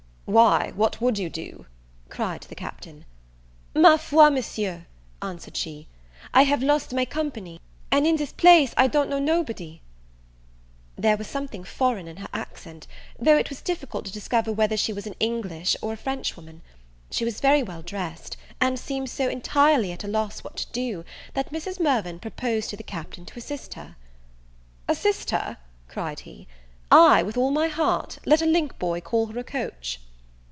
"Why, what would you do?" cried the Captain. "Ma foi, Monsieur," answered she, "I have lost my company, and in this place I don't know nobody." There was something foreign in her accent, though it was difficult to discover whether she was an English or a French woman. She was very well dressed; and seemed so entirely at a loss what to do, that Mrs. Mirvan proposed to the Captain to assist her. "Assist her!" cried he, "ay, with all my heart; let a link boy call her a coach."